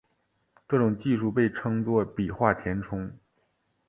这种技术被称作笔画填充。